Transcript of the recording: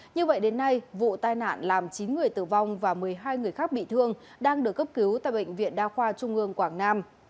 như vậy đến nay vụ tai nạn làm chín người tử vong và một mươi hai người khác bị thương đang được cấp cứu tại bệnh viện đa khoa trung ương quảng nam